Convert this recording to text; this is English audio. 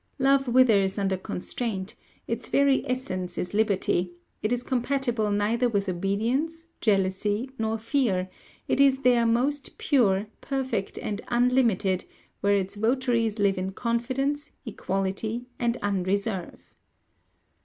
Love withers under constraint; its very essence is liberty; it is compatible neither with obedience, jealousy, nor fear; it is there most pure, perfect and unlimited, where its votaries live in confidence, equality, and unreserve."